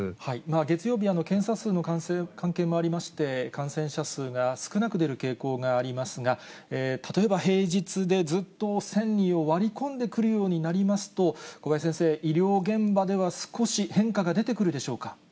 月曜日は検査数の関係もありまして、感染者数が少なく出る傾向がありますが、例えば、平日で、ずっと１０００人を割り込んでくるようになりますと、小林先生、医療現場では少し変化が出てくるでしょうか？